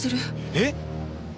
えっ！？